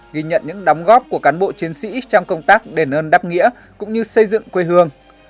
ghi nhận những đóng góp của cán bộ chiến sĩ trong công tác đền ơn đáp nghĩa cũng như xây dựng quê hương